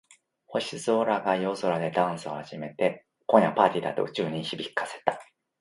星座が夜空でダンスを始めて、「今夜はパーティーだ！」と宇宙に響かせた。